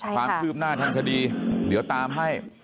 ความคืบหน้าทางคดีเดี๋ยวตามให้